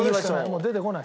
もう出てこない。